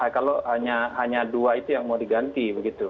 kalau hanya dua itu yang mau diganti begitu